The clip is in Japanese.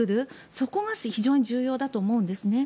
そこが非常に重要だと思うんですね。